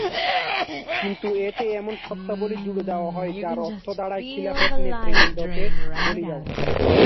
কিন্তু এতে এমন শর্তাবলি জুড়ে দেওয়া হয় যার অর্থ দাঁড়ায় খিলাফত নেতৃবৃন্দকে বলি দেওয়া।